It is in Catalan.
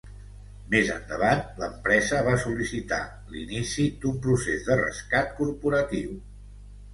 Més endavant, l'empresa va sol·licitar l'"inici d'un procés de rescat corporatiu".